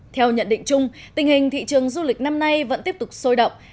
theo nhận định chung tình hình thị trường du lịch năm nay vẫn tiếp tục sôi động